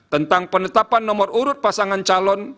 tentang penetapan nomor urut pasangan calon